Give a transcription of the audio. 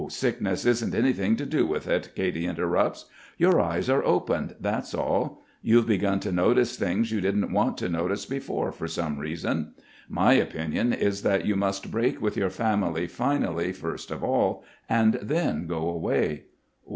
"Sickness hasn't anything to do with it," Katy interrupts. "Your eyes are opened that's all. You've begun to notice things you didn't want to notice before for some reason. My opinion is that you must break with your family finally first of all and then go away."